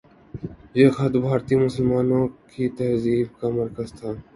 یہ خطہ بھارتی مسلمانوں کی تہذیب کا مرکز تھا۔